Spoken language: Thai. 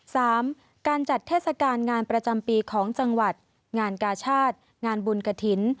การจัดเทศกาลงานประจำปีของจังหวัดงานกาชาติงานบุญกระถิ่น